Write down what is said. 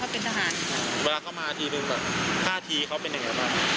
ก็ปกตินะคะก็ยิ้มตักไทยมาก